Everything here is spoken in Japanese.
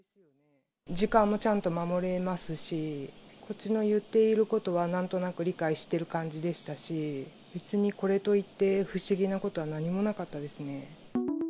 時間もちゃんと守れますし、こっちの言っていることは、なんとなく理解してる感じでしたし、別にこれといって、不思議なことは何もなかったですね。